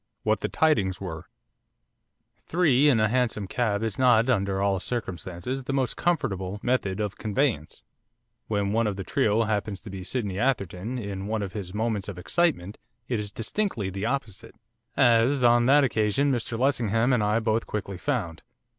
WHAT THE TIDINGS WERE Three in a hansom cab is not, under all circumstances, the most comfortable method of conveyance, when one of the trio happens to be Sydney Atherton in one of his 'moments of excitement' it is distinctly the opposite; as, on that occasion, Mr Lessingham and I both quickly found.